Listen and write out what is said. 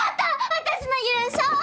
私の優勝！